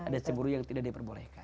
ada cemburu yang tidak diperbolehkan